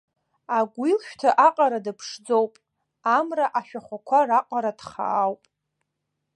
Агәилшәҭы аҟара дыԥшӡоуп, амра ашәахәақәа раҟара дхаауп.